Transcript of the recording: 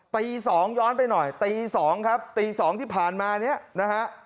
ตี๒ย้อนไปหน่อยตี๒ครับตี๒ที่ผ่านมาเนี่ยนะฮะ